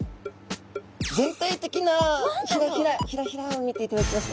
全体的なヒラヒラを見ていただきますと。